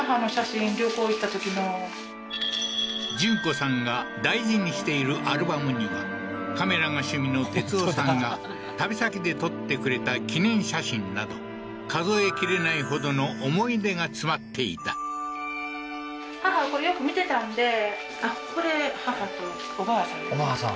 順子さんが大事にしているアルバムにはカメラが趣味の哲男さんが旅先で撮ってくれた記念写真など数え切れないほどの思い出が詰まっていたおばあさん